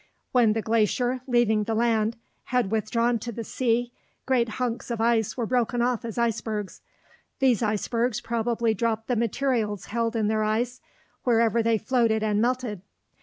When the glacier, leaving the land, had withdrawn to the sea, great hunks of ice were broken off as icebergs. These icebergs probably dropped the materials held in their ice wherever they floated and melted.